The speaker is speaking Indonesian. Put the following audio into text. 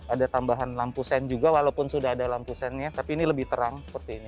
ada tambahan lampu sen juga walaupun sudah ada lampu sennya tapi ini lebih terang seperti ini